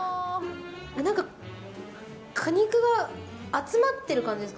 果肉が集まってる感じですか。